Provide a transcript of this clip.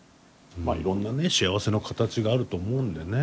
いろんなね幸せの形があると思うんでね。